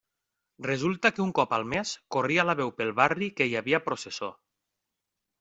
Resulta que un cop al mes corria la veu pel barri que hi havia processó.